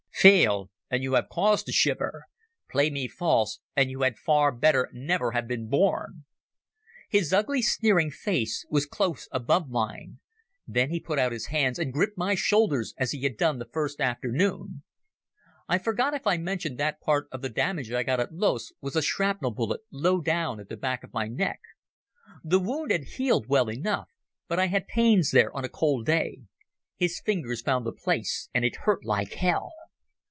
Fail, and you have cause to shiver. Play me false and you had far better never have been born." His ugly sneering face was close above mine. Then he put out his hands and gripped my shoulders as he had done the first afternoon. I forget if I mentioned that part of the damage I got at Loos was a shrapnel bullet low down at the back of my neck. The wound had healed well enough, but I had pains there on a cold day. His fingers found the place and it hurt like hell.